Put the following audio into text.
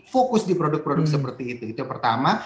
fokus di produk produk seperti itu itu yang pertama